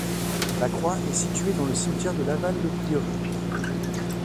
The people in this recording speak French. La croix est située dans le cimetière de Laval-le-Prieuré.